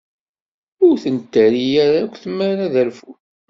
Ur ten-terri akk tmara ad rfun.